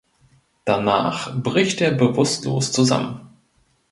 Danach bricht er bewusstlos zusammen.